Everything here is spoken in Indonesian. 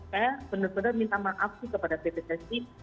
saya benar benar minta maaf sih kepada pt csi